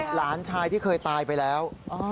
หลานชายที่เคยตายไปแล้ว